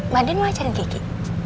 mbak din mau ajarin kiki